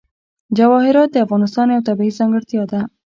جواهرات د افغانستان یوه طبیعي ځانګړتیا ده.